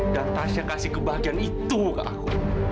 dan tasya kasih kebahagiaan itu ke aku